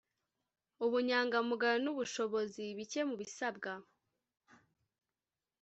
ubunyangamugayo n’ubushobozi: bike mu bisabwa